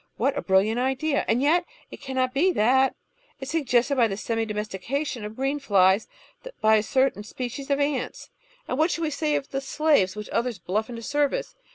What a brilliant idea — ^and yet it cannot be thatl — ^is suggested by the semi domestication of green flies by a certain species of antsl and what shall we say of the slaves which others bluff into service?